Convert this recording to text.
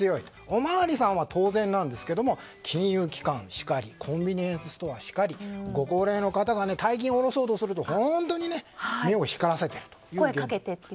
おまわりさんは当然ですが金融機関しかりコンビニエンスストアしかりご高齢の方が大金を下ろそうとすると目を光らせていると。